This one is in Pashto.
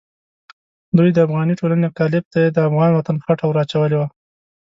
دوی د افغاني ټولنې قالب ته یې د افغان وطن خټه ور اچولې وه.